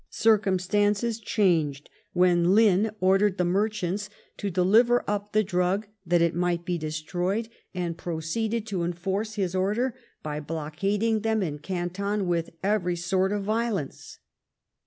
Circumstances changed when Lin ordered the merchants to deliver up the drug that it might be destroyed, and proceeded to enforce bis order by blockading them in Canton with every sort of vio lence.